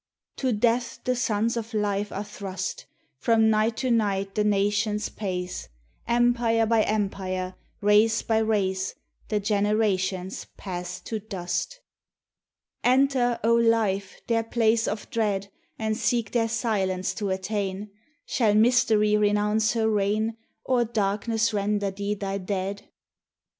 To Death the sons of Life are thrust; From night to night the nations pace ; Empire by empire, race by race, The generations pass to dust. Enter, O Life! their place of dread, And seek their silence to attain : Shall Mystery renounce her reign, Or darkness render thee thy dead?